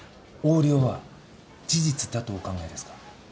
横領は事実だとお考えですか？